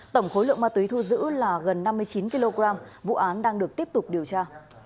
tổng khối lượng ma túy thu giữ là gần năm mươi chín kg vụ án đang được tiếp tục điều tra